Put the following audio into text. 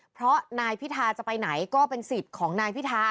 เพราะนายพิธาจะไปไหนก็เป็นสิทธิ์ของนายพิธา